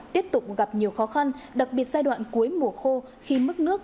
tiếp tục gặp nhiều khó khăn đặc biệt giai đoạn cuối mùa khô khi mức nước